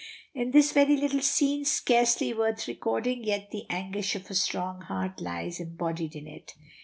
It is a very little scene, scarcely worth recording, yet the anguish of a strong heart lies embodied in it.